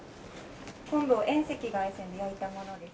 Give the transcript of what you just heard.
昆布を遠赤外線で焼いたものです。